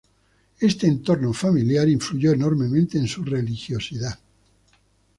Este entorno familiar influyó enormemente en su religiosidad.